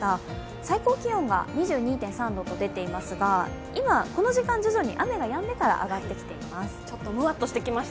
最高気温が２２．３度と出ていますが、この時間、徐々に雨がやんでから上がってきています。